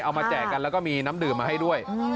มาแจกกันแล้วก็มีน้ำดื่มมาให้ด้วย